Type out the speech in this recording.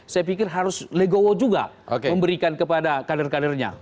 saya pikir harus legowo juga memberikan kepada kader kadernya